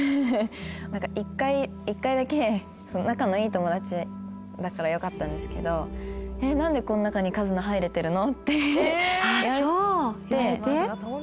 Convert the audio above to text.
何か一回一回だけ仲のいい友達だからよかったんですけど「えっ何でこの中に一菜入れてるの？」ってあっそう言われて？